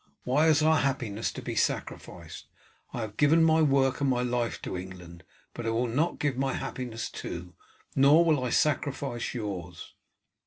Why is our happiness to be sacrificed? I have given my work and my life to England, but I will not give my happiness too, nor will I sacrifice yours."